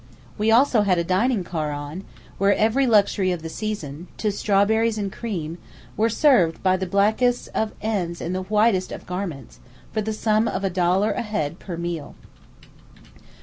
We had also a dining car on, where every luxury of the season, to strawberries and cream, were served by the blackest of niggers in the whitest of garments, for the sum of a dollar a head per meal.